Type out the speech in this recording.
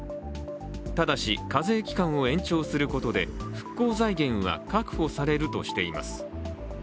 ただし、課税期間を延長することで復興財源は確保されるとしています。